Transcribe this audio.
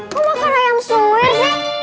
kau makan ayam swir neng